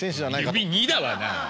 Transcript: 「指に」だわな。